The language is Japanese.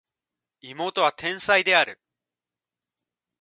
妹は天才である